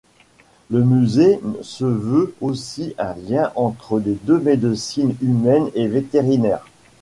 Le musée se veut aussi un lien entre les deux médecines humaines et vétérinaires.